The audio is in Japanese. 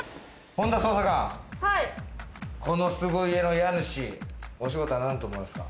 本田捜査官、この凄家の家主、お仕事は何だと思いますか？